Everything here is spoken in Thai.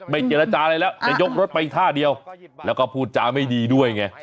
เจรจาอะไรแล้วจะยกรถไปอีกท่าเดียวแล้วก็พูดจาไม่ดีด้วยไง